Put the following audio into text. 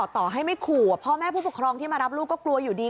ต่อให้ไม่ขู่พ่อแม่ผู้ปกครองที่มารับลูกก็กลัวอยู่ดี